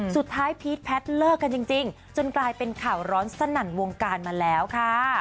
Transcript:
สุดท้ายพีทพัชรัฐเลิกด้วยจริงจนกลายเป็นข่าวร้อนสนั่นวงการมาแล้วค่ะ